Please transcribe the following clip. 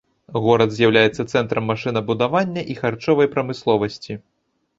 Горад з'яўляецца цэнтрам машынабудавання і харчовай прамысловасці.